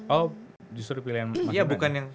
oh justru pilihan mas gibran